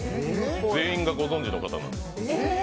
全員がご存じの方なんです。